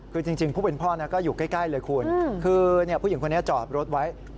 คือจริงผู้เป็นพ่อก็อยู่ใกล้เลยคุณคือผู้หญิงคนนี้จอดรถไว้